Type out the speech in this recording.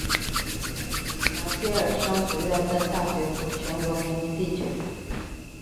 马歇尔商学院在大学部全国排名第九。